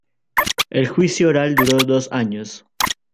El juicio oral duró dos años.